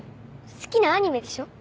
好きなアニメでしょ？